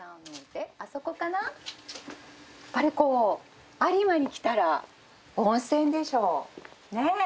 やっぱりこう有馬に来たら温泉でしょ。ね？